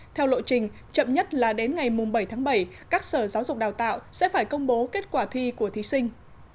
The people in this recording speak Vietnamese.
theo lộ trình chậm nhất là đến ngày bảy tháng bảy các sở giáo dục đào tạo sẽ phải công bố kết quả thi của thí sinh